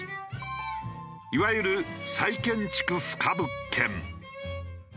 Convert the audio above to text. いわゆる再建築不可物件。